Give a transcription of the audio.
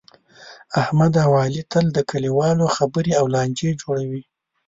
احمد اوعلي تل د کلیوالو خبرې او لانجې جوړوي.